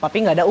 papi gak ada uh